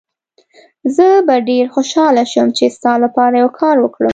زه به ډېر خوشحاله شم چي ستا لپاره یو کار وکړم.